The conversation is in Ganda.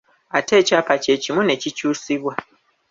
Ate ekyapa kye kimu ne kikyusibwa.